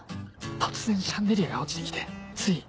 突然シャンデリアが落ちて来てつい。